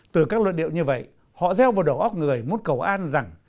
từ các luận điệu như vậy họ gieo vào đầu óc người muốn cầu an rằng